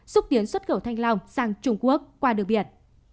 xúc tiến xuất khẩu thanh long sang trung quốc qua đường biển